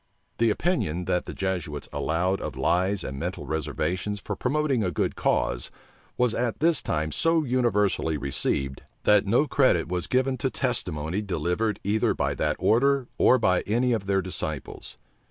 } The opinion, that the Jesuits allowed of lies and mental reservations for promoting a good cause, was at this time so universally received, that no credit was given to testimony delivered either by that order, or by any of their disciples.